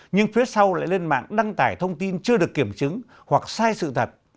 nhưng phía sau lại lên mạng đăng tải thông tin chưa được kiểm chứng hoặc sai sự thật